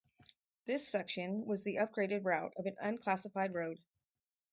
This section was the upgraded route of an unclassified road.